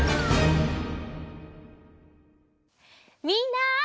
みんな！